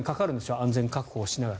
安全確保しながら。